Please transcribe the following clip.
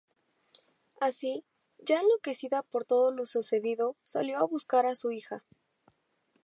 Así, ya enloquecida por todo lo sucedido, salió a buscar a su hija.